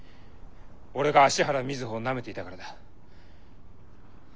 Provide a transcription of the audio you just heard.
俺が芦原瑞穂をなめていたからだ。